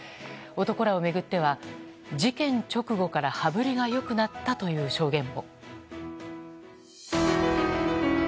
男らを巡っては事件直後から羽振りが良くなったとの証言も。